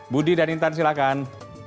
budi dan intan silahkan